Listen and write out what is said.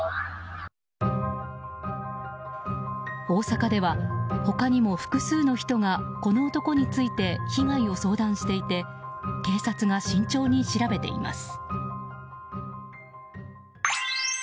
大阪では他にも複数の人がこの男について被害を相談していて警察が慎重に調べています。